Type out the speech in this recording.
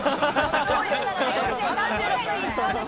４０３６位、石川です。